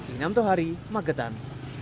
inam tohari magetan